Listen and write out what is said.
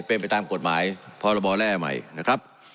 เป็นไปตามกฎหมายพรบแร่ใหม่นะครับ